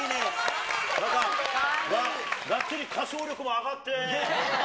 ばっちり歌唱力も上がって。